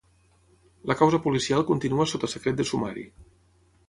La causa policial continua sota secret de sumari.